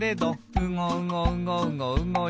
「うごうごうごうごうごいてる」